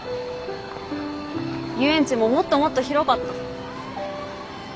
遊園地ももっともっと広かった。